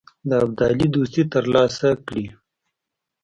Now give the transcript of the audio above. د ابدالي دوستي تر لاسه کړي.